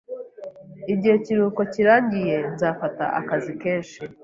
Igihe ikiruhuko kirangiye, nzafata akazi kenshi.